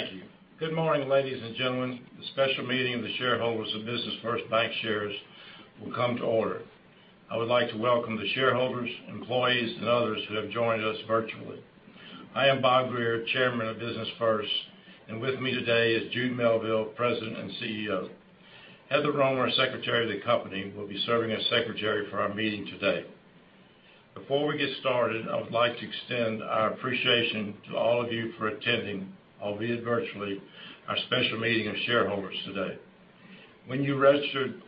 Thank you. Good morning, ladies and gentlemen. The special meeting of the shareholders of Business First Bancshares will come to order. I would like to welcome the shareholders, employees, and others who have joined us virtually. I am Bob Greer, Chairman of Business First, and with me today is Jude Melville, President and CEO. Heather Roemer, Secretary of the company, will be serving as secretary for our meeting today. Before we get started, I would like to extend our appreciation to all of you for attending, albeit virtually, our special meeting of shareholders today. When you registered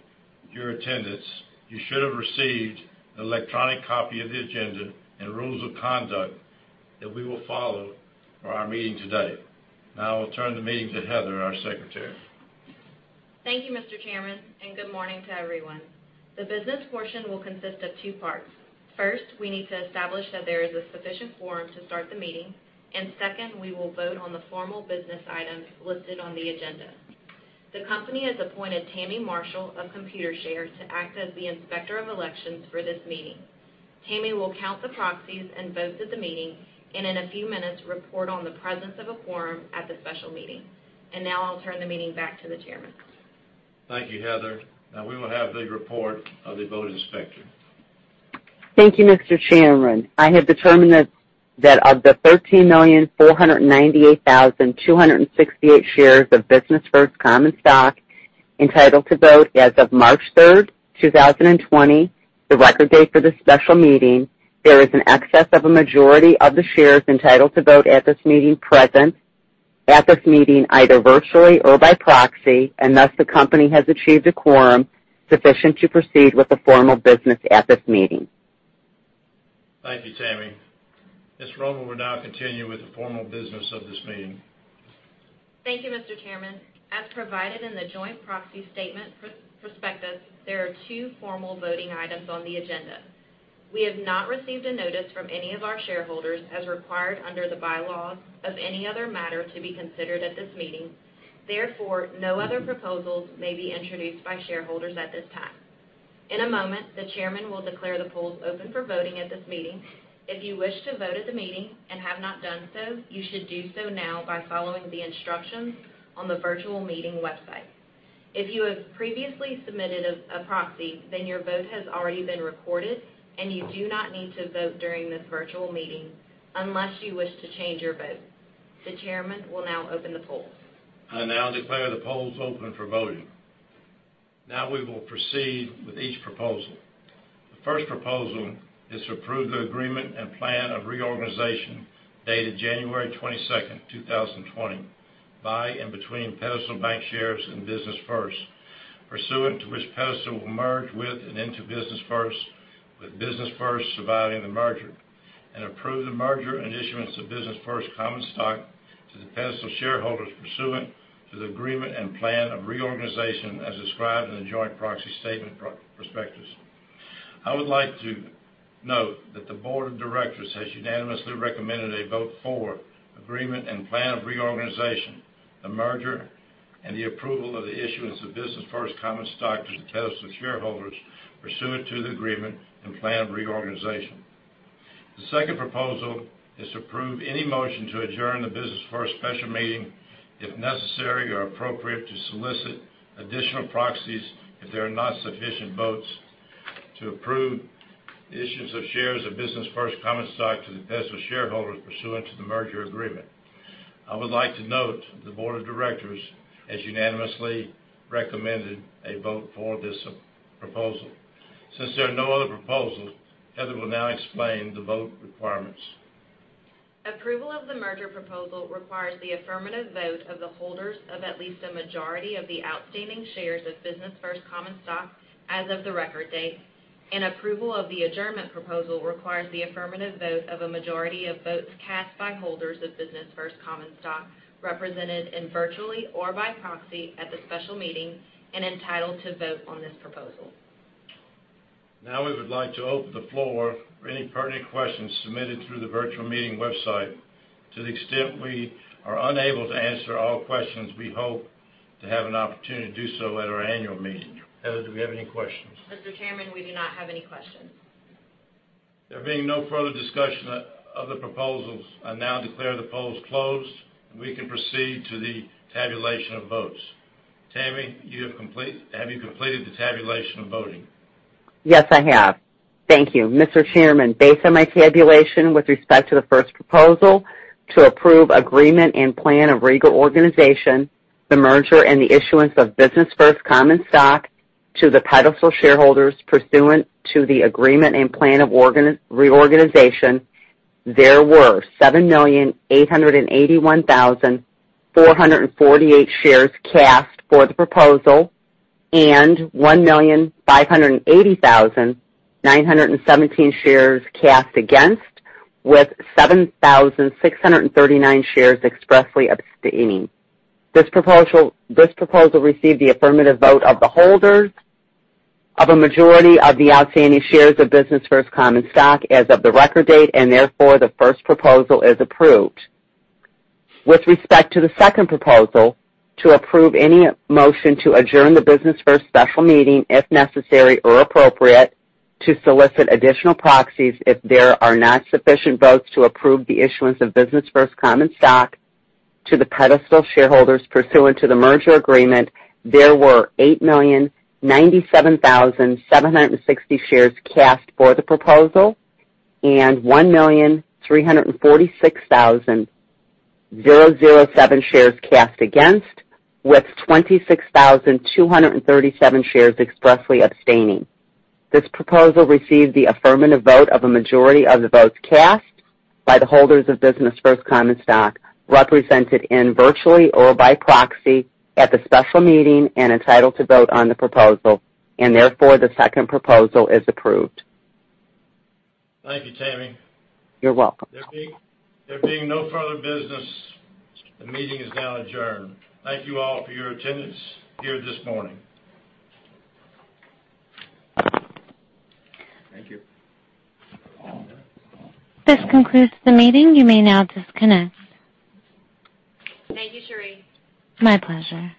your attendance, you should have received an electronic copy of the agenda and rules of conduct that we will follow for our meeting today. Now I will turn the meeting to Heather, our secretary. Thank you, Mr. Chairman, and good morning to everyone. The business portion will consist of two parts. First, we need to establish that there is a sufficient quorum to start the meeting, and second, we will vote on the formal business items listed on the agenda. The company has appointed Tammie Marshall of Computershare to act as the Inspector of Elections for this meeting. Tammie will count the proxies and votes at the meeting, and in a few minutes, report on the presence of a quorum at the special meeting. Now I'll turn the meeting back to the chairman. Thank you, Heather. Now we will have the report of the vote inspector. Thank you, Mr. Chairman. I have determined that of the 13,498,268 shares of Business First common stock entitled to vote as of March 3rd, 2020, the record date for the special meeting, there is an excess of a majority of the shares entitled to vote at this meeting present at this meeting, either virtually or by proxy, and thus the company has achieved a quorum sufficient to proceed with the formal business at this meeting. Thank you, Tammie. Ms. Roemer will now continue with the formal business of this meeting. Thank you, Mr. Chairman. As provided in the joint proxy statement prospectus, there are two formal voting items on the agenda. We have not received a notice from any of our shareholders, as required under the bylaws, of any other matter to be considered at this meeting. No other proposals may be introduced by shareholders at this time. In a moment, the chairman will declare the polls open for voting at this meeting. If you wish to vote at the meeting and have not done so, you should do so now by following the instructions on the virtual meeting website. If you have previously submitted a proxy, then your vote has already been recorded, and you do not need to vote during this virtual meeting unless you wish to change your vote. The chairman will now open the polls. I now declare the polls open for voting. Now we will proceed with each proposal. The first proposal is to approve the Agreement and Plan of Reorganization dated January 22nd, 2020, by and between Pedestal Bancshares and Business First, pursuant to which Pedestal will merge with and into Business First, with Business First surviving the merger, and approve the merger and issuance of Business First common stock to the Pedestal shareholders pursuant to the Agreement and Plan of Reorganization as described in the joint proxy statement prospectus. I would like to note that the board of directors has unanimously recommended a vote for Agreement and Plan of Reorganization, the merger, and the approval of the issuance of Business First common stock to Pedestal shareholders pursuant to the Agreement and Plan of Reorganization. The second proposal is to approve any motion to adjourn the Business First special meeting, if necessary or appropriate, to solicit additional proxies if there are not sufficient votes to approve the issuance of shares of Business First common stock to the Pedestal shareholders pursuant to the merger agreement. I would like to note the board of directors has unanimously recommended a vote for this proposal. Since there are no other proposals, Heather will now explain the vote requirements. Approval of the merger proposal requires the affirmative vote of the holders of at least a majority of the outstanding shares of Business First common stock as of the record date. An approval of the adjournment proposal requires the affirmative vote of a majority of votes cast by holders of Business First common stock, represented in virtually or by proxy at the special meeting, and entitled to vote on this proposal. We would like to open the floor for any pertinent questions submitted through the virtual meeting website. To the extent we are unable to answer all questions, we hope to have an opportunity to do so at our annual meeting. Heather, do we have any questions? Mr. Chairman, we do not have any questions. There being no further discussion of the proposals, I now declare the polls closed, and we can proceed to the tabulation of votes. Tammie, have you completed the tabulation of voting? Yes, I have. Thank you. Mr. Chairman, based on my tabulation with respect to the first proposal to approve Agreement and Plan of Reorganization, the merger, and the issuance of Business First common stock to the Pedestal shareholders pursuant to the Agreement and Plan of Reorganization, there were 7,881,448 shares cast for the proposal and 1,580,917 shares cast against, with 7,639 shares expressly abstaining. This proposal received the affirmative vote of the holders of a majority of the outstanding shares of Business First common stock as of the record date, and therefore, the first proposal is approved. With respect to the second proposal, to approve any motion to adjourn the Business First special meeting, if necessary or appropriate, to solicit additional proxies if there are not sufficient votes to approve the issuance of Business First common stock to the Pedestal shareholders pursuant to the merger agreement, there were 8,097,760 shares cast for the proposal and 1,346,007 shares cast against, with 26,237 shares expressly abstaining. This proposal received the affirmative vote of a majority of the votes cast by the holders of Business First common stock represented in virtually or by proxy at the special meeting and entitled to vote on the proposal, and therefore, the second proposal is approved. Thank you, Tammie. You're welcome. There being no further business, the meeting is now adjourned. Thank you all for your attendance here this morning. Thank you. This concludes the meeting. You may now disconnect. Thank you, Sheree. My pleasure.